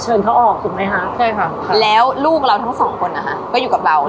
เขาออกถูกไหมคะใช่ค่ะแล้วลูกเราทั้งสองคนนะคะก็อยู่กับเรา